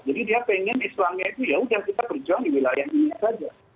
jadi dia ingin islam itu ya sudah kita berjuang di wilayah ini saja